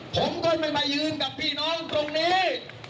ผมก็ไม่มายืนกับพี่น้องตรงนี้